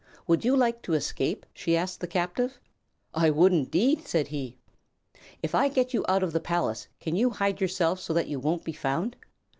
"Would you like to escape?" she asked the captive. "I would, indeed!" said he. "If I get you out of the palace, can you hide yourself so that you won't be found?"